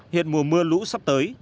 hiện mùa mưa lũ sắp tới